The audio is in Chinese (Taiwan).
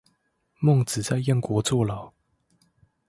孟子在燕國坐牢